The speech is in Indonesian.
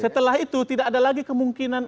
setelah itu tidak ada lagi kemungkinan